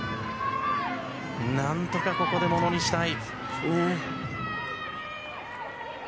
何とかここでものにしたい。